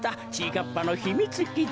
かっぱのひみつきち。